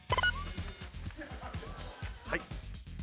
はい。